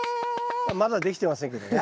まだできてませんけどね。